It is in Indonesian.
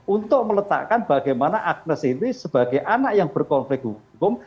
untuk meletakkan bagaimana agnes ini sebagai anak yang berkonflik hukum